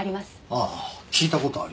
ああ聞いた事あります。